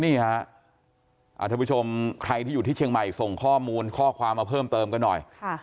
ท่านผู้ชมใครที่อยู่ที่เชียงใหม่ส่งข้อมูลข้อความมาเพิ่มเติมกันหน่อย